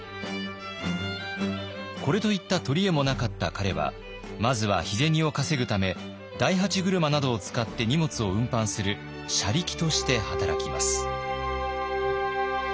これといった取り柄もなかった彼はまずは日銭を稼ぐため大八車などを使って荷物を運搬する車力として働きます。